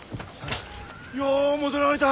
よう戻られた！